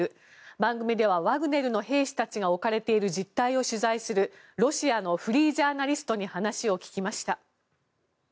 番組では、ワグネルの兵士たちが置かれている実態を取材するロシアのフリージャーナリストに話を聞きました。